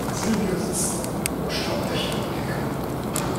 Silvio sitzt da und starrt Löcher in die Decke.